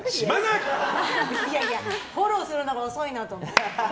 いやいや、フォローするのが遅いなと思って。